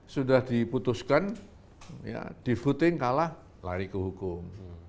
sudah diputuskan di voting kalah lari ke hukum